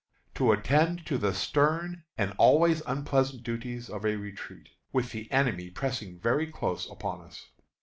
to attend to the stern and always unpleasant duties of a retreat, with the enemy pressing very closely upon us.